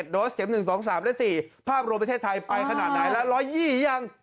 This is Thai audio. ๗๔๑๕๑โดสเข็ม๑๒๓๔ภาพรวมประเทศไทยไปขนาดไหนแล้ว๑๒๐ยัง